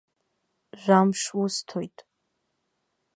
Жәамш усҭоит.